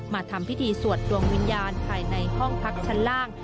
ทำพิธีสวดดวงวิญญาณภายในห้องพักชั้นล่าง